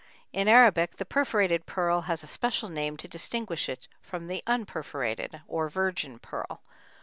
In Arabic the perforated pearl has a special name to distinguish it from the unperforated, or "virgin pearl."